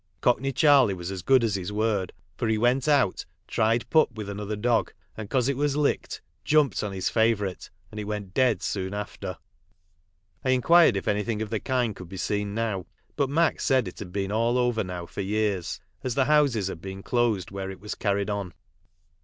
Cockney Charley was as good as his word ; for he went out, tried pup with another dog, and, 'cause it was licked, jumped on his favourite, and it went dead soon after." I inquired if anything of the kind could be seen now, but Mac said it had been all over now for years, as the houses had been closed where it was carried on.